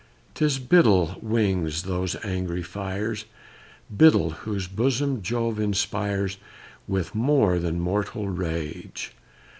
'Tis Biddle wings those angry fires, Biddle, whose bosom Jove inspires With more than mortal rage.